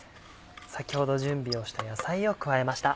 先ほど準備をした野菜を加えました。